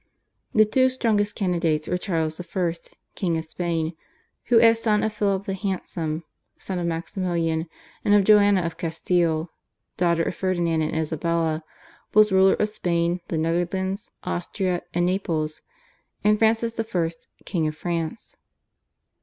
The two strongest candidates were Charles I., King of Spain, who as son of Philip the Handsome (son of Maximilian), and of Joanna of Castile (daughter of Ferdinand and Isabella), was ruler of Spain, the Netherlands, Austria, and Naples, and Francis I., King of France.